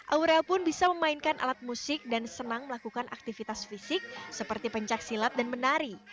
aurel pun bisa memainkan alat musik dan senang melakukan aktivitas fisik seperti pencaksilat dan menari